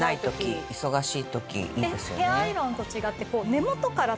ヘアアイロンと違って。